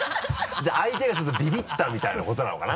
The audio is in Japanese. じゃあ相手がちょっとビビったみたいなことなのかな？